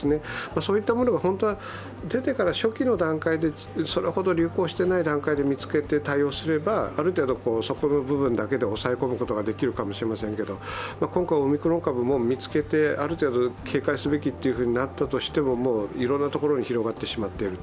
そういったものが本当は出てから初期の段階で、それほど流行していない段階で見つけて対応すればある程度そこの部分だけで抑え込むことができるかもしれませんけどオミクロン株も見つけて、ある程度警戒すべきとなってももういろんなところに広がってしまっていると。